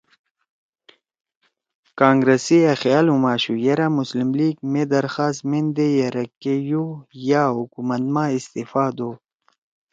کانگرس سی أ خیال ہُم آشُو یرأ مسلم لیگ مے درخواست میندے یرَک کے یو یا حکومت ما استعفاء دو